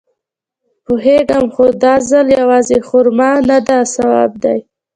پوېېږم خو دا ځل يوازې خرما نده ثواب دی.